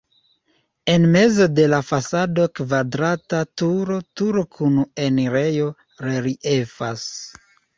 En mezo de la fasado kvadrata turo turo kun enirejo reliefas.